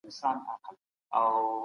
غلا کوونکی بايد خپله سزا وويني.